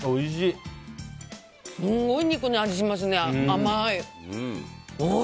すごい肉の味、しますね。